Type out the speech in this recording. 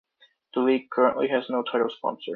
The league currently has no title sponsor.